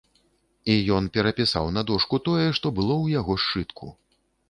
І ён перапісаў на дошку тое, што было ў яго сшытку.